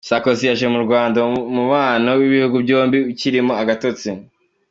Sarkozy aje mu Rwanda umubano w’ibihugu byombi ukirimo agatotsi.